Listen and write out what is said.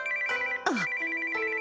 あっ。